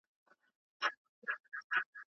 ګردلمنی مې راواغوست په هېلمند کې